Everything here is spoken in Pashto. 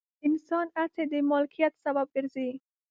د انسان هڅې د مالکیت سبب ګرځي.